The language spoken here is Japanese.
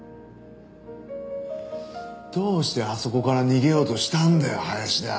どうしてあそこから逃げようとしたんだよ林田。